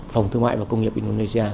phòng thương mại và công nghiệp indonesia